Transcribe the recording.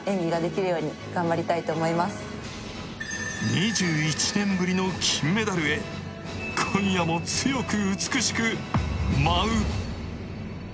２１年ぶりの金メダルへ今夜も強く美しく舞う。